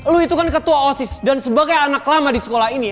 lu itu kan ketua osis dan sebagai anak lama di sekolah ini